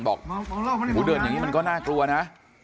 บอกเดินอย่างนี้มันก็น่ากลัวนะ